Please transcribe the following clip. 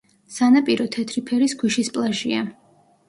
სანაპირო თეთრი ფერის ქვიშის პლაჟია.